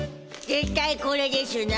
絶対これでしゅな。